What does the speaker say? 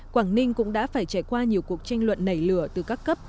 quảng ninh cũng đã phải trải qua nhiều cuộc tranh luận nảy lửa từ các cấp